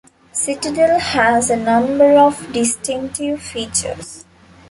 "Citadel" has a number of distinctive features.